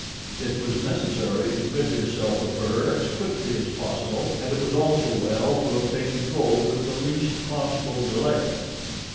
It was necessary to rid himself of her as quickly as possible and it was also well to obtain the gold with the least possible delay.